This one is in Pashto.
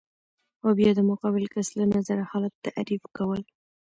او بیا د مقابل کس له نظره حالت تعریف کول